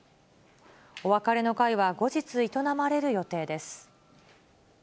お別れの会は後日、営まれる予定です。